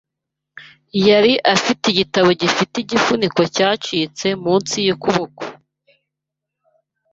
Yari afite igitabo gifite igifuniko cyacitse munsi yukuboko .